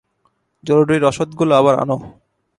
জরুরী রসদগুলো আবার আনো!